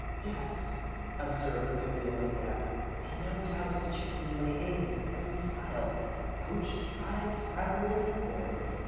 "Yes," observed the Bibliomaniac; "and no doubt the chickens lay eggs in every style poached, fried, scrambled, and boiled.